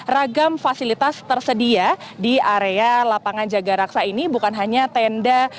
ragam fasilitas tersedia di area lapangan jaga raksa ini bukan hanya tenda